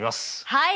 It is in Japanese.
はい。